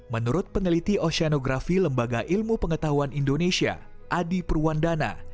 menurut peneliti oseanografi lembaga ilmu pengetahuan indonesia adi purwandana